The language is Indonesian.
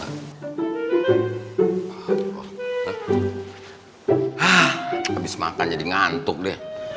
hahaha habis makan jadi ngantuk deh